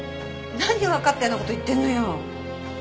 何わかったような事言ってんのよ。